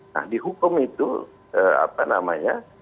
nah di hukum itu apa namanya